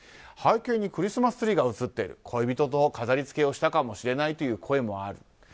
背景にクリスマスツリーが映っている恋人と飾りつけをしたかもしれないという声もある。